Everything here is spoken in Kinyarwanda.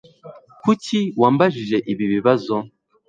Kuki wambajije ibi bibazo?